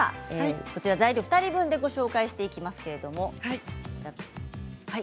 材料は２人分でご紹介していきますけれども。